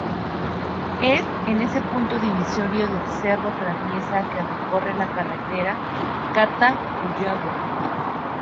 Es en ese punto divisorio del Cerro Traviesa que recorre la carretera Cata-Cuyagua.